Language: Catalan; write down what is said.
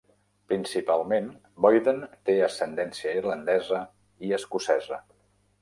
Principalment, Boyden té ascendència irlandesa i escocesa.